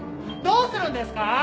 どうするんですか？